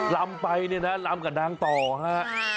ลำไปเนี่ยนะลำกับนางต่อฮะ